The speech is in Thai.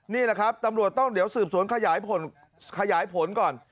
นี่แหละครับตำรวจต้องเดี๋ยวสืบสวนขยายผลขยายผลก่อน